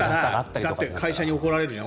だって会社に怒られるじゃん。